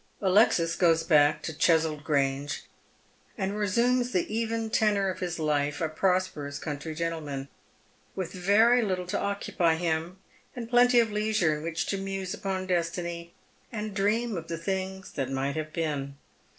Alexis goes back to Cheswold Grange, and resumes the even tenor of his Hie, a prosperous country gentleman, wth very little to occupy him, and plentj' of leisure in which to muse upon destiny, and dream of the things that might have been.